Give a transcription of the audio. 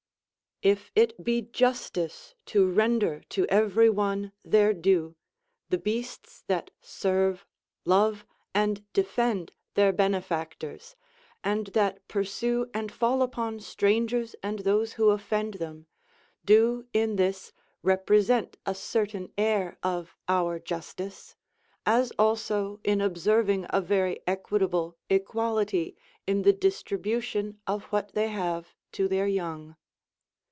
If it be justice to render to every one their due, the beasts that serve, love, and defend their benefactors, and that pursue and fall upon strangers and those who offend them, do in this represent a certain air of our justice; as also in observing a very equitable equality in the distribution of what they have to their young.